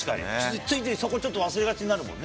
ついついそこちょっと忘れがちになるもんね。